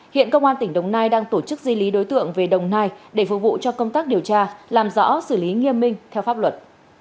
hiện công an tỉnh đồng nai đang tổ chức di lý đối tượng về đồng nai để phục vụ cho công tác điều tra làm rõ xử lý nghiêm minh theo pháp luật